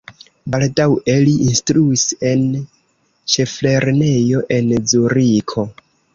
Baldaŭe li instruis en ĉeflernejo en Zuriko.